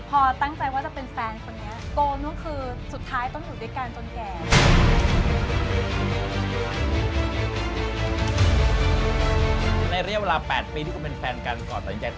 พอตั้งใจว่าจะเป็นแฟนคนนี้